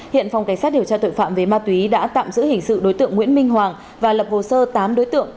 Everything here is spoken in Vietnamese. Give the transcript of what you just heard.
hiện phòng cảnh sát điều tra tội phạm về ma túy đã tạm giữ hình sự đối tượng nguyễn minh hoàng và lập hồ sơ tám đối tượng